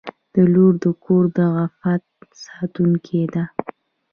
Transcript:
• لور د کور د عفت ساتونکې ده.